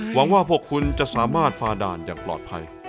หวังว่าพวกคุณจะสามารถฝ่าด่านอย่างปลอดภัย